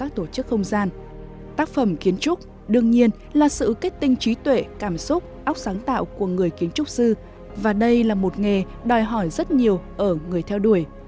tác phẩm kiến trúc đương nhiên là sự kết tinh trí tuệ cảm xúc óc sáng tạo của người kiến trúc sư và đây là một nghề đòi hỏi rất nhiều ở người theo đuổi